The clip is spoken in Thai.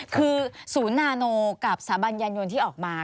คือศูนย์นาโนกับสถาบันยันยนต์ที่ออกมา